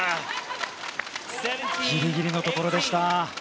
ギリギリのところでした。